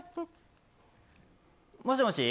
もしもし